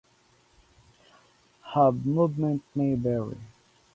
Hand movement may vary.